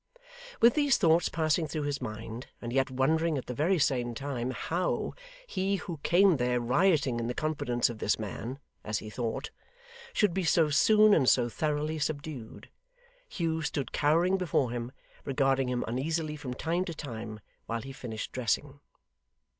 With these thoughts passing through his mind, and yet wondering at the very same time how he who came there rioting in the confidence of this man (as he thought), should be so soon and so thoroughly subdued, Hugh stood cowering before him, regarding him uneasily from time to time, while he finished dressing.